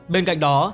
bên cạnh đó